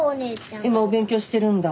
今お勉強してるんだ？